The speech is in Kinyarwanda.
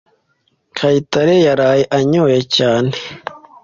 Kayitare yaraye anyoye cyane.